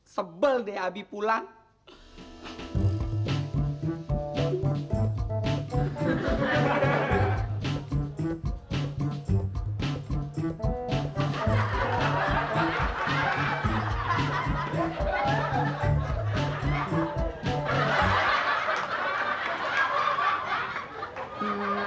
sebel deh abi pulang